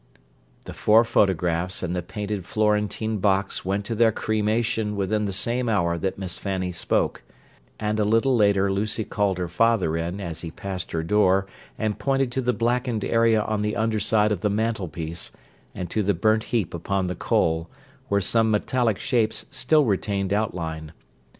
The four photographs and the painted Florentine box went to their cremation within the same hour that Miss Fanny spoke; and a little later Lucy called her father in, as he passed her door, and pointed to the blackened area on the underside of the mantelpiece, and to the burnt heap upon the coal, where some metallic shapes still retained outline.